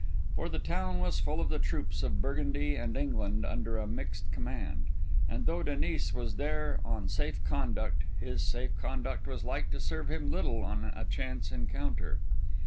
For the town was full of the troops of Burgundy and England under a mixed command; and though Denis was there on safe conduct, his safe conduct was like to serve him little on a chance encounter.